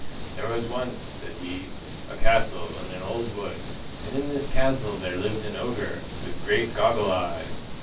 "There was once," said he, "a Castle in an old wood, and in this Castle there lived an Ogre, with great goggle eyes."